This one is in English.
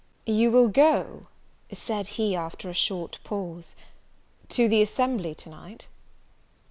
"You will go," said he, after a short pause, "to the assembly to night?"